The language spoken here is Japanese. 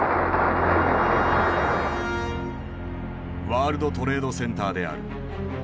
ワールドトレードセンターである。